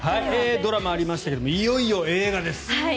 ドラマありましたけどいよいよ映画です。